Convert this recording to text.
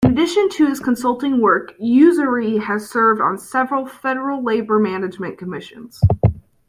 In addition to his consulting work, Usery has served on several federal labor-management commissions.